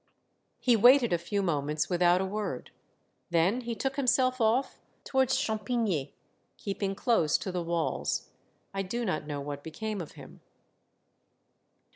He waited a few moments without a word ; then he took him self off towards Champigny, keeping close to the walls. I do not know what became of him.